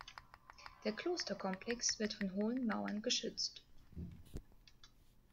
Der Klosterkomplex wird von hohen Mauern geschützt.